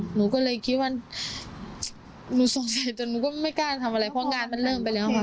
หนูก็เลยคิดว่าหนูสงสัยแต่หนูก็ไม่กล้าทำอะไรเพราะงานมันเริ่มไปแล้วค่ะ